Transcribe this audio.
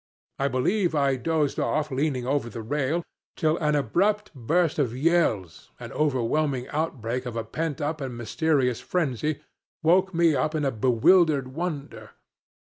I believe I dozed off leaning over the rail, till an abrupt burst of yells, an overwhelming outbreak of a pent up and mysterious frenzy, woke me up in a bewildered wonder.